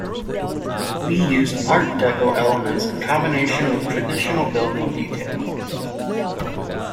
Lee used Art Deco elements in combination with traditional building detailing.